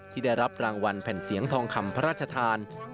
ที่ได้รับรางวัลแผ่นเสียงทองคำพระราชทาน